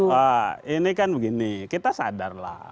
wah ini kan begini kita sadarlah